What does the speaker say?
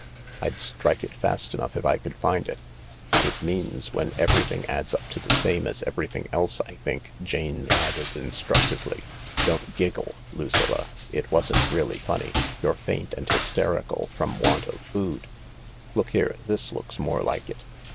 I'd strike it fast enough if I could find it. It means when every thing adds up to the same as everything ejse, I think," Jane added instructively. "Don't giggle, Lucilla, it wasn't really funny. You're faint and hysterical from want of food. Look here — this looks more like it."